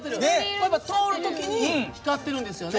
やっぱ通る時に光ってるんですよね。